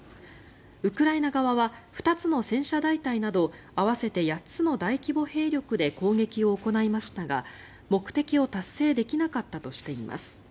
ウクライナ側は２つの戦車大隊など合わせて８つの大規模兵力で攻撃を行いましたが目的を達成できなかったとしています。